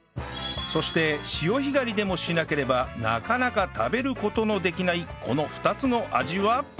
そして潮干狩りでもしなければなかなか食べる事のできないこの２つの味は？